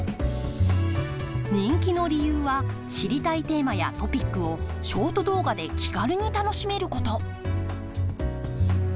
人気の理由は知りたいテーマやトピックをショート動画で気軽に楽しめること。